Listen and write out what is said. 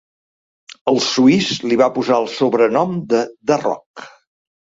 El suís li va posar el sobrenom de The Rock.